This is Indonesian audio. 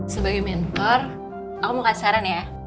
sebagai mentor aku mau kasih saran ya